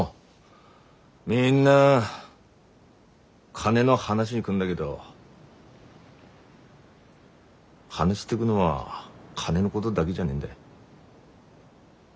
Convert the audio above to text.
みんな金の話に来んだげど話してぐのは金のごどだげじゃねんだ。